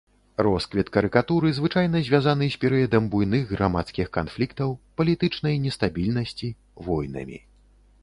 Росквіт карыкатуры звычайна звязаны з перыядам буйных грамадскіх канфліктаў, палітычнай нестабільнасці, войнамі.